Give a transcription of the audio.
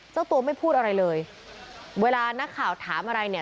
เจ้าตัวไม่พูดอะไรเลยเวลานักข่าวถามอะไรเนี่ย